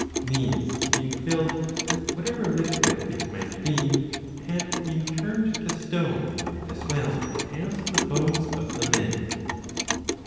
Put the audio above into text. These, being filled with whatever liquid it might be, had been turned to stone, as well as the bones of the men.